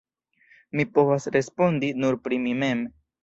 Mi povas respondi nur pri mi mem.